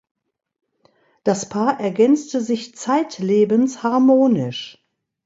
Das Paar ergänzte sich zeitlebens harmonisch.